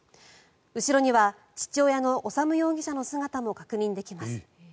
後ろには、父親の修容疑者の姿も確認できます。